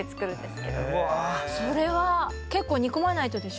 それは結構煮込まないとでしょ？